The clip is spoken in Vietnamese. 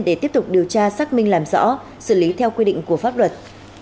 để tiếp tục điều tra xác minh làm rõ xử lý theo quy định của pháp luật